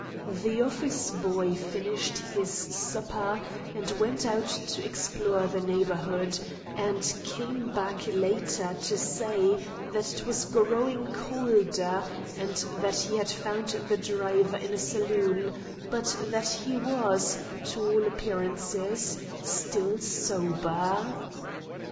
The office boy finished his supper, and went out to explore the neighborhood, and came back later to say that it was growing colder, and that he had found the driver in a saloon, but that he was, to all appearances, still sober.